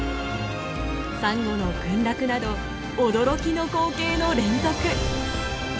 サンゴの群落など驚きの光景の連続！